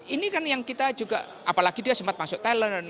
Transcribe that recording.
ini kan yang kita juga apalagi dia sempat masuk talent